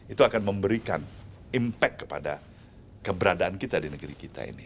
itu akan memberikan impact kepada keberadaan kita di negeri kita ini